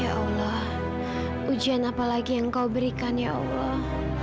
ya allah ujian apa lagi yang kau berikan ya allah